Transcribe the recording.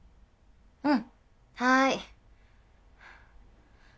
うんはい。